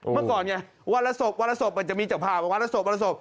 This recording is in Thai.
เมื่อก่อนไงวันละสบวันละสบมันจะมีจังห์ผ่าวันละสบ